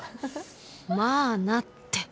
「まあな」って